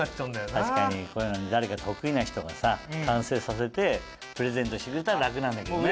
確かにこういうの誰か得意な人がさ完成させてプレゼントしてくれたら楽なんだけどね。